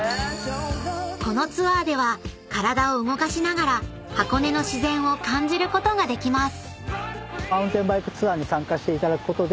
［このツアーでは体を動かしながら箱根の自然を感じることができます］